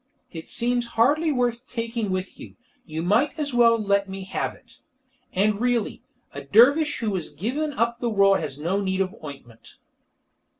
It seems hardly worth taking with you; you might as well let me have it. And really, a dervish who has given up the world has no need of ointment!"